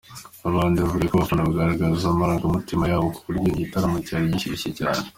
Abahanzi bavuga ko abafana bagaragazaga amarangamutima yabo ku buryo igitaramo cyari gishyushye cyane.